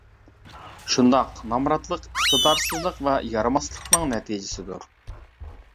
شۇنداق، نامراتلىق ئىقتىدارسىزلىق ۋە يارىماسلىقنىڭ نەتىجىسىدۇر.